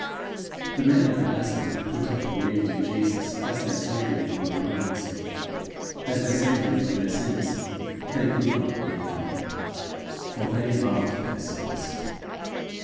The men of Nazareth could have believed in Jesus as their saviour from the Romans; as their saviour from their sins they could not believe in him, for they loved their sins.